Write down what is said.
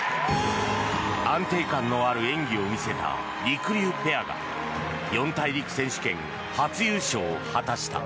安定感のある演技を見せたりくりゅうペアが四大陸選手権初優勝を果たした。